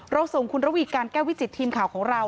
เราส่งคุณระวีการแก้วิจิตีคิวบิจัยทีมของเรา